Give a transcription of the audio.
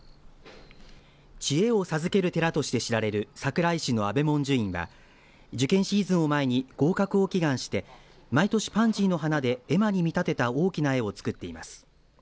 知恵を授ける寺として知られる桜井市の安倍文殊院が受験シーズンを前に合格を祈願して毎年パンジーの花で絵馬に見立てた大きな絵を作っています。